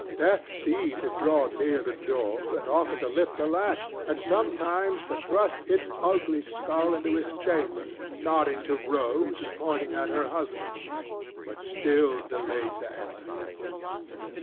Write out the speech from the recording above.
Death seemed to draw near the door, and often to lift the latch, and sometimes to thrust his ugly skull into the chamber, nodding to Rose and pointing at her husband, but still delayed to enter.